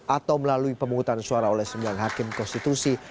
atau melalui pemungutan suara oleh sembilan hakim konstitusi